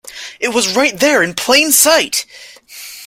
It was right there, in plain sight!